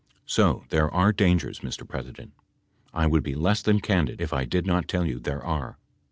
So there are dangers, Mr. President. I would be less than candid if I did not tell you there are.